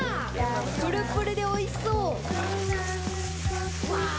プルプルで、おいしそう！